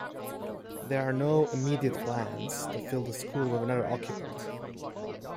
There are no immediate plans to fill the school with another occupant.